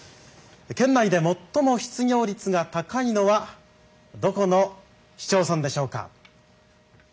県内で最も失業率が高いのはどこの市町村でしょうか？